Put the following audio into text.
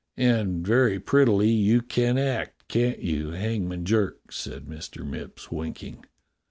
"And very prettily you can act, can't you, Hangman Jerk.f^" said Mr. Mipps, winking.